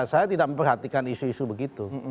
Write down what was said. saya tidak memperhatikan isu isu begitu